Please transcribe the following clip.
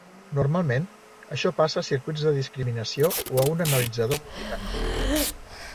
Normalment això passa a circuits de discriminació o a un analitzador multicanal.